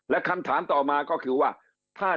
และคำถามต่อมาก็คือว่า